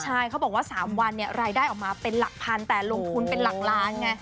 ใช่เขาบอกว่า๓วันรายได้ออกมาเป็นหลักพันแต่ลงทุนเป็นหลักล้านไง